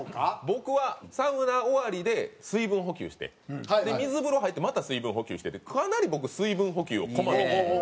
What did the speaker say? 僕はサウナ終わりで水分補給して水風呂入ってまた水分補給してってかなり僕水分補給をこまめに取るようにしてます。